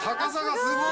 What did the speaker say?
すごい！